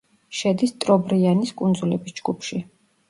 შედის ტრობრიანის კუნძულების ჯგუფში.